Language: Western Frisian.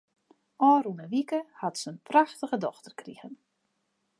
Ofrûne wike hat se in prachtige dochter krigen.